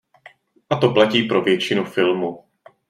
A to platí pro většinu filmu.